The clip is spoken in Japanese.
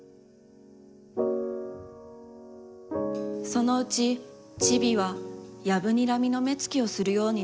そのうち、ちびはやぶにらみの目つきをするようになりました。